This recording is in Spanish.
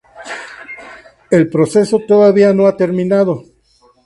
El proceso todavía no ha terminado.